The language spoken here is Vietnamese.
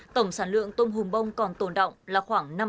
tổng sản lượng tôm hùm bông còn tồn đọng là khoảng năm trăm linh tấn